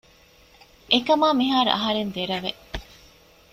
އެކަމާ މިހާރު އަހަރެން ދެރަވެ